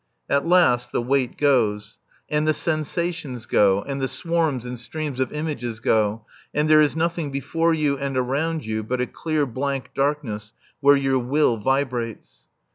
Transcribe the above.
At last the weight goes. And the sensations go, and the swarms and streams of images go, and there is nothing before you and around you but a clear blank darkness where your will vibrates.